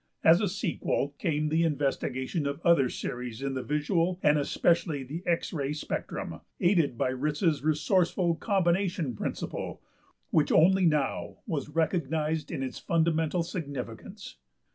As a sequel came the investigation of other series in the visual and especially the X ray spectrum aided by Ritz's resourceful combination principle, which only now was recognized in its fundamental significance.